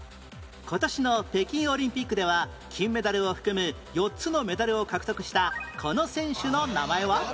今年の北京オリンピックでは金メダルを含む４つのメダルを獲得したこの選手の名前は？